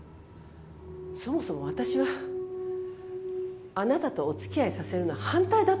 ・そもそも私はあなたとお付き合いさせるの反対だったのよ。